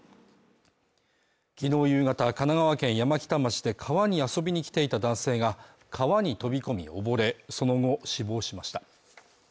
昨日夕方神奈川県山北町で川に遊びに来ていた男性が川に飛び込み溺れその後死亡しました